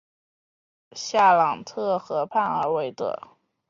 夏朗特河畔韦尔特伊。